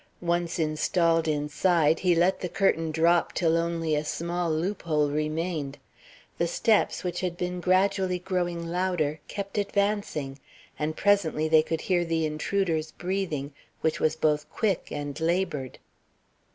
Once installed inside, he let the curtain drop till only a small loophole remained. The steps, which had been gradually growing louder, kept advancing; and presently they could hear the intruder's breathing, which was both quick and labored.